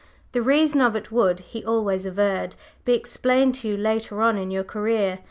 The reason of it would, he always averred, be explained to you later on in your career.